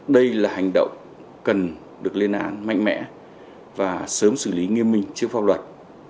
đây là hành động cần được lên án mạnh mẽ và sớm xử lý nghiêm minh trước pháp luật